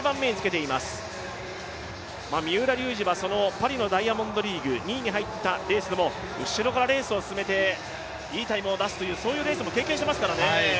三浦龍司はパリのダイヤモンドリーグ２位に入ったレースでも後ろからレースを進めていいタイムを出すそういうレースも経験してますからね。